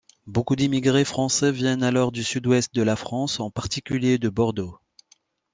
Beaucoup d'immigrés français viennent alors du Sud-Ouest de la France, en particulier de Bordeaux.